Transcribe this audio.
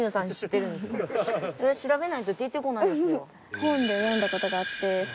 本で読んだ事があって。